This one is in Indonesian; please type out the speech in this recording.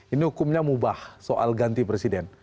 ini hukumnya mubah soal ganti presiden